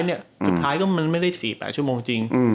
สุดท้ายก็มันไม่ได้๔๘ชั่วโมงจริง